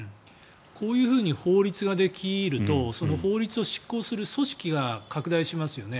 こういうふうに法律ができるとその法律を執行する組織が拡大しますよね。